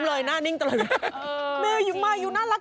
มันไหวไม่มานี่ไง